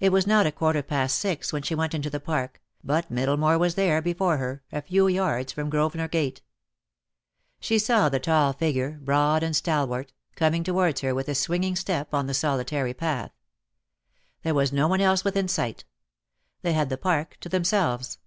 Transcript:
It was not a quarter past six when she went into the Park, but Middlemore was there before her, a few yards from Grosvenor Gate. She saw the tall figure, broad and stalwart, coming towards her with a swinging step, on the solitary path. There was no one else within sight. They had the Park to themselves.